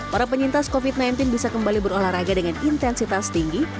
para penyintas covid sembilan belas bisa kembali berolahraga dengan intensitas tinggi